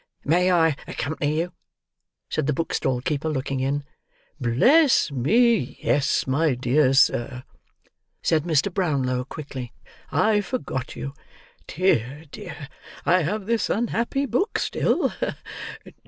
"May I accompany you?" said the book stall keeper, looking in. "Bless me, yes, my dear sir," said Mr. Brownlow quickly. "I forgot you. Dear, dear! I have this unhappy book still!